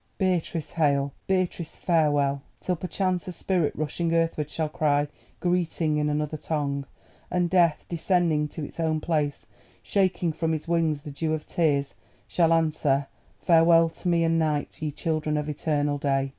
Beatrice, hail! Beatrice, farewell! till perchance a Spirit rushing earthward shall cry "Greeting," in another tongue, and Death, descending to his own place, shaking from his wings the dew of tears, shall answer "_Farewell to me and Night, ye Children of Eternal Day!